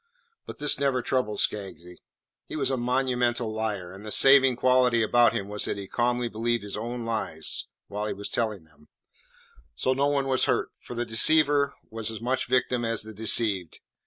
But this never troubled Skaggsy. He was a monumental liar, and the saving quality about him was that he calmly believed his own lies while he was telling them, so no one was hurt, for the deceiver was as much a victim as the deceived.